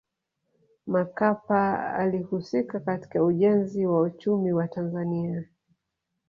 makapa alihusika katika ujenzi wa uchumi wa tanzania